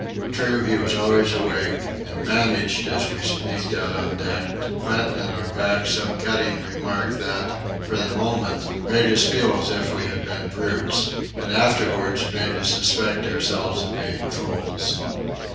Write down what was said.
True, he was always awake, and managed, as we sneaked out on deck, to plant in our backs some cutting remark that, for the moment, made us feel as if we had been brutes, and afterwards made us suspect ourselves of being fools.